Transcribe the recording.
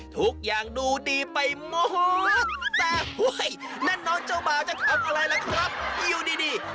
ทุกอย่างดูดีไปหมด